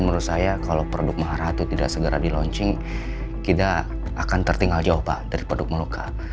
menurut saya kalau produk maharatu tidak segera di launching kita akan tertinggal jauh pak dari produk mau luka